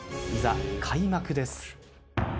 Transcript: いざ開幕です。